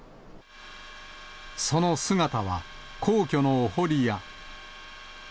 その姿は、皇居のお堀や。